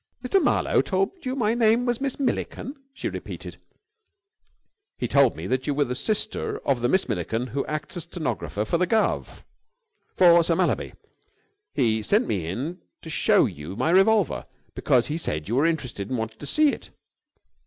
"Mr. Marlowe told you my name was Miss Milliken!" she repeated. "He told me that you were the sister of the Miss Milliken who acts as stenographer for the guv' for Sir Mallaby, and sent me in to show you my revolver, because he said you were interested and wanted to see it."